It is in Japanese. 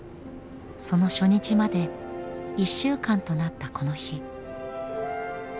その初日まで１週間となったこの日。